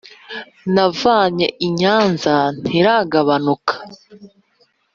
Navanye i Nyanza ntiragabanuka!